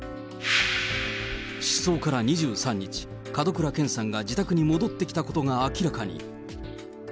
失踪から２３日、門倉健さんが自宅に戻ってきたことが明らかに。